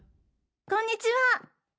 こんにちは。